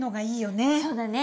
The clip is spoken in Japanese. そうだね。